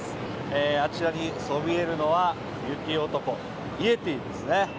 あちらにそびえるのは、雪男、イエティですね。